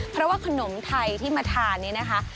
เพราะว่าขนมไทยที่มาทานเนี่ยนะคะ